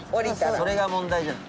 それが問題じゃない。